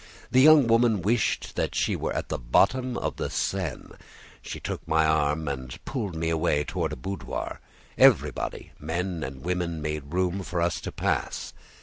The young woman wished that she were at the bottom of the Seine. She took my arm and pulled me away toward a boudoir. Everybody, men and women, made room for us to pass.